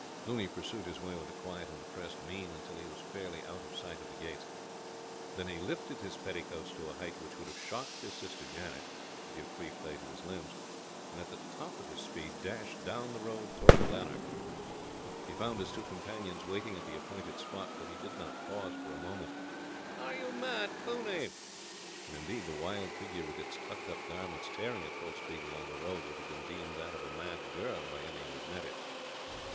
Cluny pursued his way with a quiet and depressed mien until he was fairly out of sight of the gates. Then he lifted his petticoats to a height which would have shocked his sister Janet, to give free play to his limbs, and at the top of his speed dashed down the road toward Lanark. He found his two companions waiting at the appointed spot, but he did not pause a moment. "Are you mad, Cluny?" they shouted. And indeed the wild figure, with its tucked up garments, tearing at full speed along the road, would have been deemed that of a mad girl by any who had met it.